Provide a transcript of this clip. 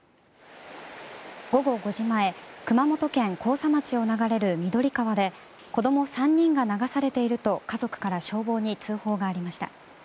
午後５時前熊本県甲佐町を流れる緑川で子供３人が流されていると家族から消防に通報がありました。